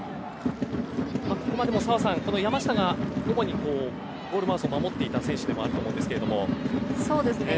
ここまでも澤さん山下が、ゴールマウスを守っていた選手でもあると思うんですけれども。